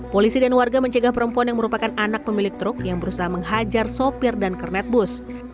polisi dan warga mencegah perempuan yang merupakan anak pemilik truk yang berusaha menghajar sopir dan kernet bus